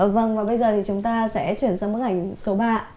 vâng và bây giờ thì chúng ta sẽ chuyển sang bức ảnh số ba ạ